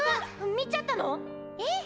見ちゃったの⁉ええ。